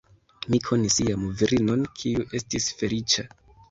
Mi konis iam virinon, kiu estis feliĉa.